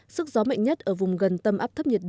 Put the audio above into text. sức gió mạnh nhất ở vùng gần tâm áp thấp nhiệt đới